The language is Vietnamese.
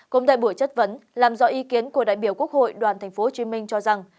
cũng tại buổi chất vấn làm rõ ý kiến của đại biểu quốc hội đoàn tp hcm cho rằng